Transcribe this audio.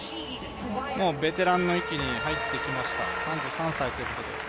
ベテランの域に入ってきました３３歳ということで。